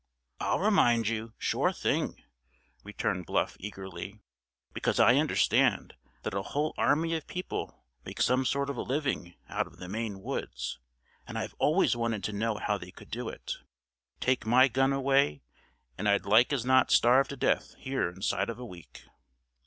"I'll remind you, sure thing," returned Bluff eagerly, "because I understand that a whole army of people make some sort of a living out of the Maine woods, and I've always wanted to know how they could do it. Take my gun away, and I'd like as not starve to death here inside of a week."